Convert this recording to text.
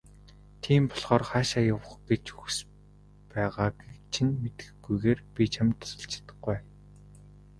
Тийм болохоор хаашаа явах гэж хүс байгааг чинь мэдэхгүйгээр би чамд тусалж чадахгүй.